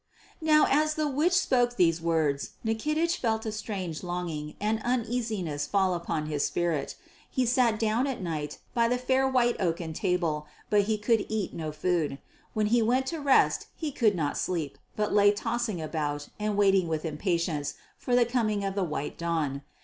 Now as the witch spoke these words Nikitich felt a strange longing and uneasiness fall upon his spirit. He sat down at night by the fair white oaken table but he could eat no food; when he went to rest he could not sleep but lay tossing about and waiting with impatience for the coming of the white dawn.